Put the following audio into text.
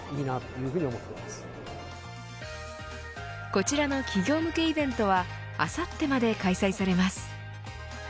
こちらの企業向けイベントはあさってまで開催されます。